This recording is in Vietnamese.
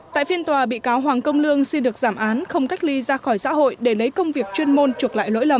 tại phiên tòa bị cáo hoàng công lương xin được giảm án không cách ly ra khỏi xã hội để lấy công việc chuyên môn chuộc lại lỗi lầm